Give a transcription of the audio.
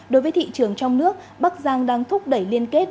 đối với thị trường trong nước bắc giang đang thúc đẩy liên kết